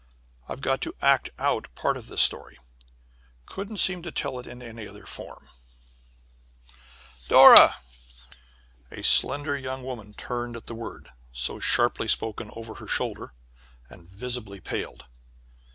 I've got to act out part of this story couldn't seem to tell it in any other form." "Dora!" A slender young woman turned at the word, so sharply spoken over her shoulder, and visibly paled.